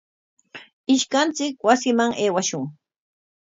Ishkanchik wasiman aywashun.